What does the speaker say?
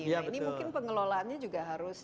nah ini mungkin pengelolaannya juga harus